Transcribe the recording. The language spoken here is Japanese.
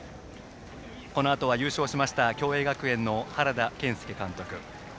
このあとは優勝しました共栄学園の原田健輔監督